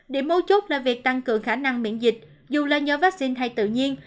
điểm mấu chốt là việc tăng cường khả năng miễn dịch dù là nhóm vaccine hay tự nhiên